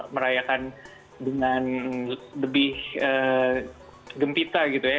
merayakan dengan lebih gempita gitu ya